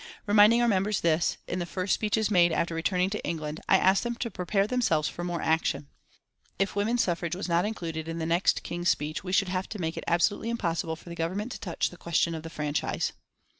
Reminding our members this, in the first speeches made after returning to England I asked them to prepare themselves for more action. If women's suffrage was not included in the next King's speech we should have to make it absolutely impossible for the Government to touch the question of the franchise.